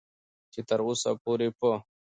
چې تر اوسه پورې په